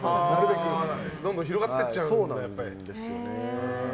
どんどん広がっていっちゃうんだ。